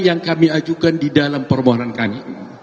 yang kami ajukan di dalam permohonan kami